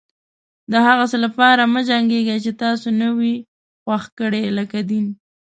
د هغه څه لپاره مه جنګيږئ چې تاسې نه و خوښ کړي لکه دين.